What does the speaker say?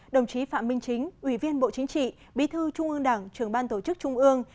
đồng chí phạm minh chính ủy viên bộ chính trị bí thư trung ương đảng trưởng ban tổ chức trung ương